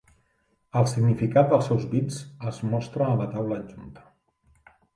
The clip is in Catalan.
El significat dels seus bits es mostra a la taula adjunta.